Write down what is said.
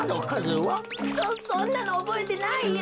そそんなのおぼえてないよ！